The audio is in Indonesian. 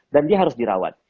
dan dia harus dirawat